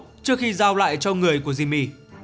cất dấu trước khi giao lại cho người của jimmy